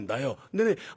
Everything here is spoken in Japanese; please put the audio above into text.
でね